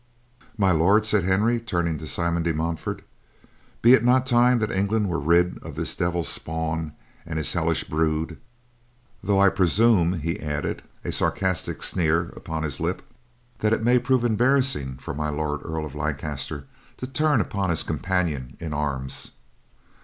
"My Lord," said Henry, turning to Simon de Montfort, "be it not time that England were rid of this devil's spawn and his hellish brood? Though I presume," he added, a sarcastic sneer upon his lip, "that it may prove embarrassing for My Lord Earl of Leicester to turn upon his companion in arms."